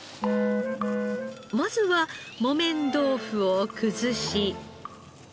まずは木綿豆腐を崩し。